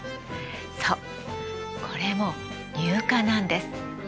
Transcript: そうこれも乳化なんです。